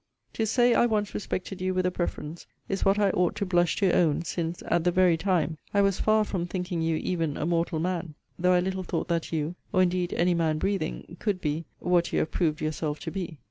To say I once respected you with a preference, is what I ought to blush to own, since, at the very time, I was far from thinking you even a mortal man; though I little thought that you, or indeed any man breathing, could be what you have proved yourself to be.